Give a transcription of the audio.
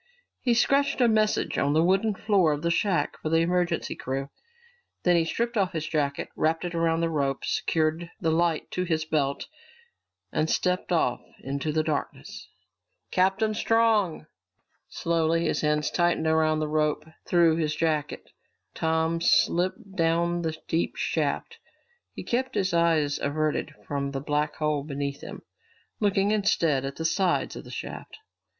He scratched a message on the wooden floor of the shack for the emergency crew. Then he stripped off his jacket, wrapped it around the rope, secured the light to his belt, and stepped off into the darkness. Slowly, his hands tight around the rope through his jacket, Tom slipped down the deep shaft. He kept his eyes averted from the black hole beneath him, looking instead at the sides of the shaft.